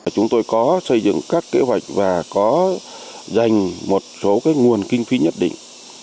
chúng tôi có xây dựng các kế hoạch và có dành một số nguồn kinh phí nhất định